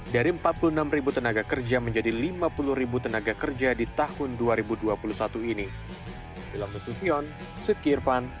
dari empat puluh enam tenaga kerja menjadi lima puluh ribu tenaga kerja di tahun dua ribu dua puluh satu ini